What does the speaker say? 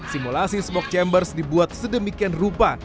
simulasi smoke chambers dibuat sedemikian rupa